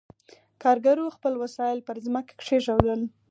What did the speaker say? کارګرو خپل وسایل پر ځمکه کېښودل.